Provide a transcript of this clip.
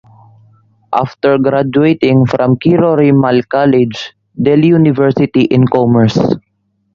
After graduating from Kirori Mal College, Delhi University in commerce.